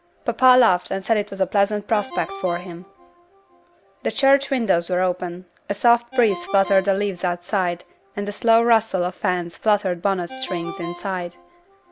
Papa laughed and said it was a pleasant prospect for him. The church windows were open, a soft breeze fluttered the leaves outside and the slow rustle of fans fluttered bonnet strings inside.